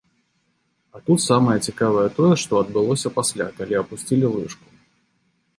А тут самае цікавае тое, што адбылося пасля, калі апусцілі лыжку.